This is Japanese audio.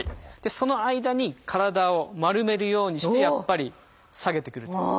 その間に体を丸めるようにして下げてくると。